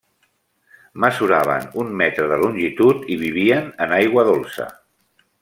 Mesuraven un metre de longitud i vivien en aigua dolça.